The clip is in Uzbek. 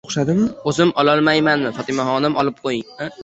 O'zim ololmaymanmi, Fotimaxonim! Olib qo'ying.